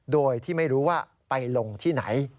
โดยที่ไม่รู้ว่าไปลงที่ไหน